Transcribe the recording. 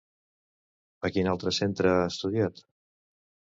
A quin altre centre ha estudiat?